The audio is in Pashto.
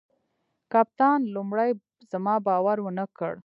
کپتان لومړي زما باور ونه کړ.